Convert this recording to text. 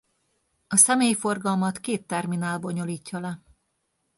A személyforgalmat két terminál bonyolítja le.